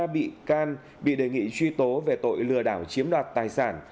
hai mươi ba bị can bị đề nghị truy tố về tội lừa đảo chiếm đoạt tài sản